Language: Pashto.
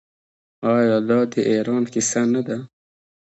آیا دا د ایران کیسه نه ده؟